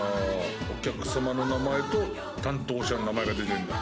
お客さまの名前と担当者の名前が出てんだ。